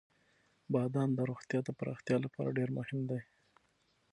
• بادام د روغتیا د پراختیا لپاره ډېر مهم دی.